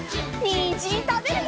にんじんたべるよ！